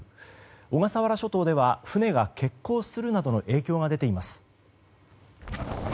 小笠原諸島では船が欠航するなどの影響が出ています。